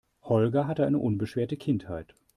Holger hatte eine unbeschwerte Kindheit.